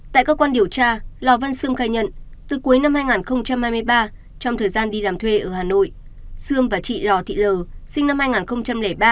tại các quan điều tra lò văn sươm khai nhận từ cuối năm hai nghìn hai mươi ba trong thời gian đi làm thuê ở hà nội sươm và chị lò thị lờ sinh năm hai nghìn ba